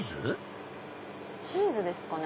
チーズですかね？